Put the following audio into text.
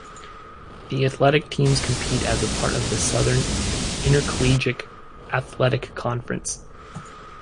The athletic teams compete as a part of the Southern Intercollegiate Athletic Conference.